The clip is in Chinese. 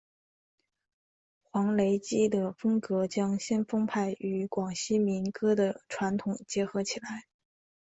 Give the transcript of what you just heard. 黄雷基的风格将先锋派与广西民歌的传统结合起来。